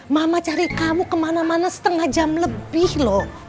mama cari kamu kemana mana setengah jam lebih loh